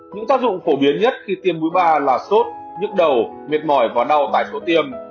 những tác dụng phổ biến nhất khi tiêm búi ba là sốt nhức đầu mệt mỏi và đau tại chỗ tiêm